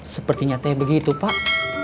sepertinya tanya begitu pak